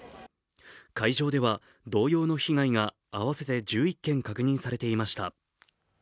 会場では同様の被害が合わせて１１件、確認されていました